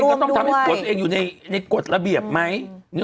หรือตัวเองก็ต้องทำให้ฝัวตัวเองอยู่ในกฎระเบียบไหม